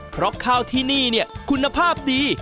เพราะข้าวที่นี่เนี่ยคุณภาพดี